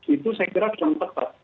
itu saya kira jangan tetap